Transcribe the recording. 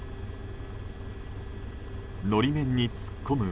法面に突っ込む